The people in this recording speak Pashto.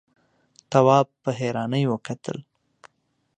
تواب په حيرانۍ وکتل.